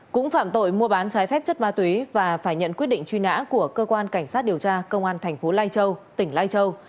cũng phạm tội mua bán trái phép chất ma túy và phải nhận quyết định truy nã của cơ quan cảnh sát điều tra công an thành phố lai châu tỉnh lai châu